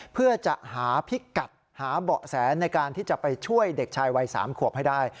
เพื่อจะหาพิกัดหาเบาะแสในการที่จะไปช่วยเด็กชายวัย๓ขวบให้ได้